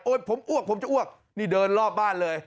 ผมอ้วกผมจะอ้วกนี่เดินรอบบ้านเลย